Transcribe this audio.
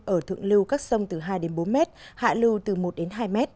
ở thượng lưu các sông từ hai bốn m hạ lưu từ một hai m